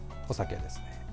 お酒ですね。